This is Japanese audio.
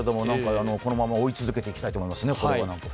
このまま追い続けていきたいと思いますね、これは。